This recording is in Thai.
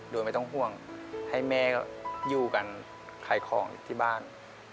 โดยไม่ต้องห่วงให้แม่อยู่กันขายของอยู่ที่บ้าน